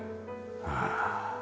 ああ。